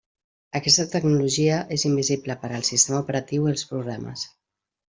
Aquesta tecnologia és invisible per al sistema operatiu i els programes.